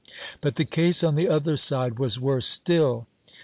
But the case on the other side was worse still.